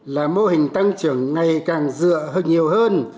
là mô hình tăng trưởng ngày càng dựa hơn nhiều hơn